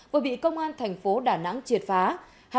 vừa bị công an thành phố đà nẵng triệt phá